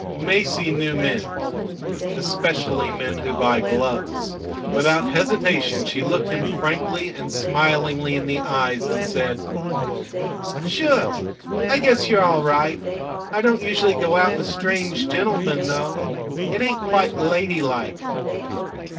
Masie knew men especially men who buy gloves. Without hesitation she looked him frankly and smilingly in the eyes, and said: "Sure. I guess you're all right. I don't usually go out with strange gentlemen, though. It ain't quite ladylike.